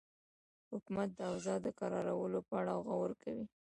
حکومت د اوضاع د کرارولو په اړه غور کوي.